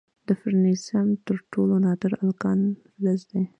د فرنسیم تر ټولو نادر الکالین فلز دی.